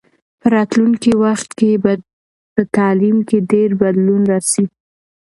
په راتلونکي وخت کې به په تعلیم کې ډېر بدلون راسي.